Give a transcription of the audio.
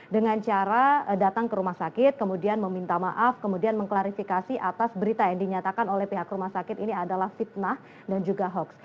dengan cara datang ke rumah sakit kemudian meminta maaf kemudian mengklarifikasi atas berita yang dinyatakan oleh pihak rumah sakit ini adalah fitnah dan juga hoax